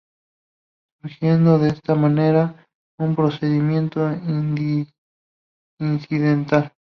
Surgiendo de esta manera un procedimiento incidental.